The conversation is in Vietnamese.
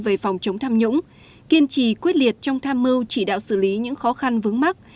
về phòng chống tham nhũng kiên trì quyết liệt trong tham mưu chỉ đạo xử lý những khó khăn vướng mắt